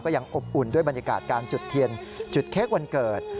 ยังอบอุ่นด้วยบรรยากาศการจุดเทียนจุดเค้กวันเกิด